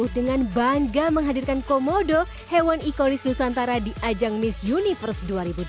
dengan bangga menghadirkan komodo hewan ikonis nusantara di ajang miss universe dua ribu dua puluh